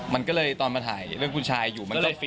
มันก็เลยตอนมาถ่ายเรื่องผู้ชายอยู่